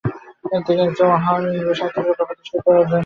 তিনি একজন মহান ইংরেজ সাহিত্যিকরূপে প্রতিষ্ঠা অর্জন করেন।